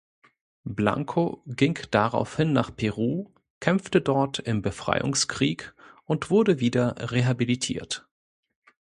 Blanco ging daraufhin nach Peru, kämpfte dort im Befreiungskrieg und wurde wieder rehabilitiert.